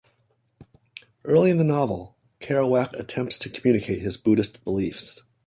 Early in the novel, Kerouac attempts to communicate his Buddhist beliefs.